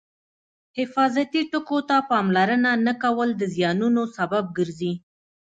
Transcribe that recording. حفاظتي ټکو ته پاملرنه نه کول د زیانونو سبب ګرځي.